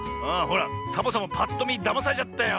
ほらサボさんもぱっとみだまされちゃったよ。